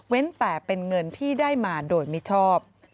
แต่เป็นเงินที่ได้มาโดยมิชอบ